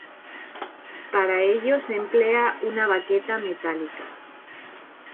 Para ello se emplea una baqueta metálica.